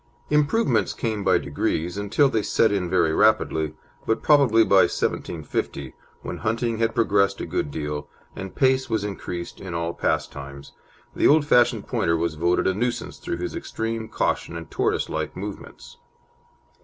Improvements came by degrees, until they set in very rapidly, but probably by 1750, when hunting had progressed a good deal, and pace was increased in all pastimes, the old fashioned Pointer was voted a nuisance through his extreme caution and tortoise like movements.